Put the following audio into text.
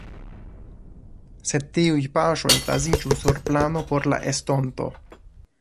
Sed tiuj paŝoj baziĝu sur plano por la estonto.